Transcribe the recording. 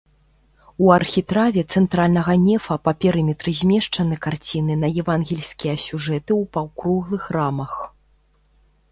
У архітраве цэнтральнага нефа па перыметры змешчаны карціны на евангельскія сюжэты ў паўкруглых рамах.